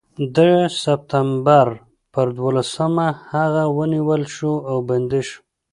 د سپټمبر پر دولسمه هغه ونیول شو او بندي شو.